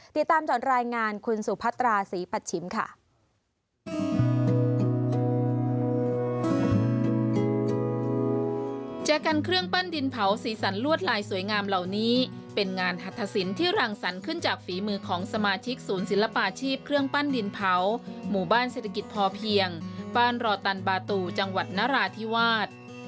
ติดตามจากรายงานคุณสุพัตราศรีปัชชิมค่ะ